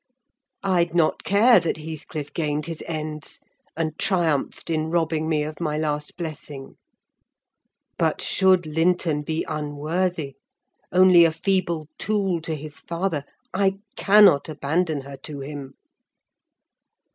I'd not care that Heathcliff gained his ends, and triumphed in robbing me of my last blessing! But should Linton be unworthy—only a feeble tool to his father—I cannot abandon her to him!